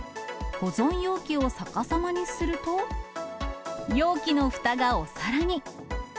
保存容器を逆さまにすると、容器のふたがお皿に。